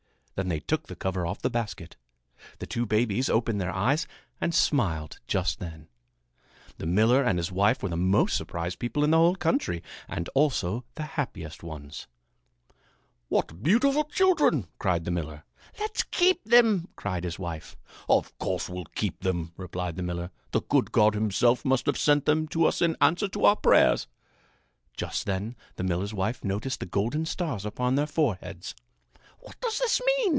Then they took the cover off the basket. The two babies opened their eyes and smiled just then. The miller and his wife were the most surprised people in the whole country and also the happiest ones. [Illustration: The miller and his wife were the most surprised people in the whole country] "What beautiful children!" cried the miller. "Let's keep them!" cried his wife. "Of course we'll keep them," replied the miller. "The good God himself must have sent them to us in answer to our prayers." Just then the miller's wife noticed the golden stars upon their foreheads. "What does this mean?"